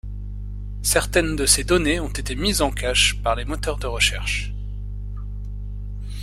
Certaines de ces données ont été mises en cache par les moteurs de recherche.